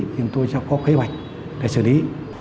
thì tôi sẽ có kế hoạch để xử lý